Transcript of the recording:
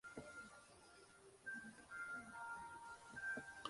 Es autor de obras como "Good Families of Barcelona.